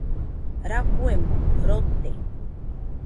Rafuemo rote.